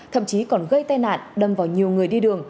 thậm chí còn gây tai nạn đâm vào nhiều người đi đường